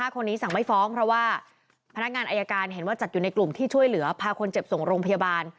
คนที่สี่กริษฐธรพระนุทัศน์เหลืองสัชกุล